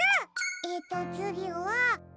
えっとつぎは。